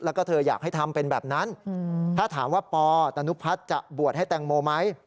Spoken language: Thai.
แล้วก็เธออยากให้ทำเป็นแบบนั้นถ้าถามว่าปตนุพัฒน์จะบวชให้แตงโมไหม